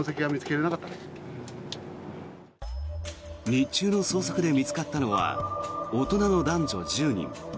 日中の捜索で見つかったのは大人の男女１０人。